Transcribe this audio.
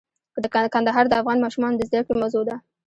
کندهار د افغان ماشومانو د زده کړې موضوع ده.